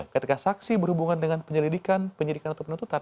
ketika saksi berhubungan dengan penyelidikan penyidikan atau penuntutan